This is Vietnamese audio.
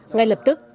ngay lập tức